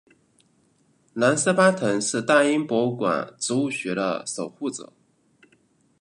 兰斯巴腾是大英博物馆植物学的守护者。